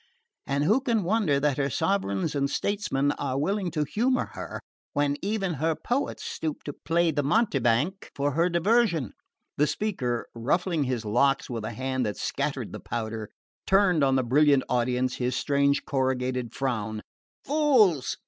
And who can wonder that her sovereigns and statesmen are willing to humour her, when even her poets stoop to play the mountebank for her diversion?" The speaker, ruffling his locks with a hand that scattered the powder, turned on the brilliant audience his strange corrugated frown. "Fools!